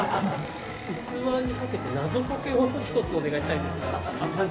器にかけて、なぞかけを一つお願いしたいんですが。